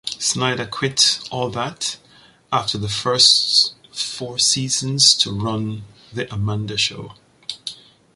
Schneider quit "All That" after the first four seasons to run "The Amanda Show".